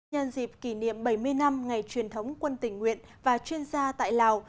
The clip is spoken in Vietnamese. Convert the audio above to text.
nhân dịp kỷ niệm bảy mươi năm ngày truyền thống quân tình nguyện và chuyên gia tại lào